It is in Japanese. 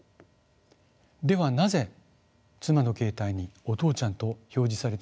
ではなぜ妻の携帯に「お父ちゃん」と表示されたのか。